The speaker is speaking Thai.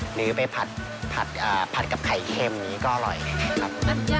หรือไปผัดกับไข่เค็มก็อร่อยครับ